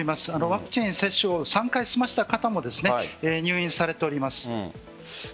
ワクチン接種を３回済ませた方も入院されております。